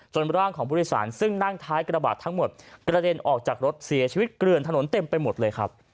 ร่างของผู้โดยสารซึ่งนั่งท้ายกระบาดทั้งหมดกระเด็นออกจากรถเสียชีวิตเกลือนถนนเต็มไปหมดเลยครับ